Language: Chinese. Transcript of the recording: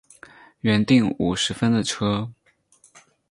原订五十分的车